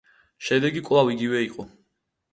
შედეგი კვლავ იგივე იყო.